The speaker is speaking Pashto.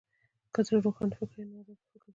که زړه روښانه وي، نو فکر به ازاد وي.